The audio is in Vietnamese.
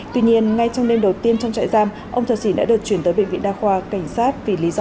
tuy nhiên ngay trong đêm đầu tiên trong trại giam ông thạch sìn đã được chuyển tới bệnh viện đa khoa cảnh sát vì lý do sức khỏe